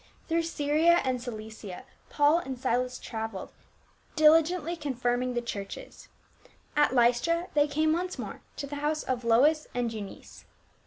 Through Syria and Cilicia Paul and Silas traveled, diligently confirming the churches. At Lystra the} came once more to the house of Lois and Eunice.